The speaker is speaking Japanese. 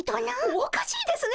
おかしいですね。